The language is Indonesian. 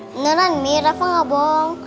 beneran mi rafa gak bohong